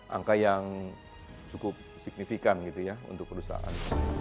angka yang cukup signifikan gitu ya untuk perusahaan